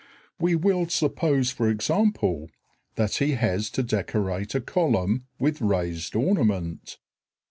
We will suppose, for example, that he has to decorate a column with raised ornament.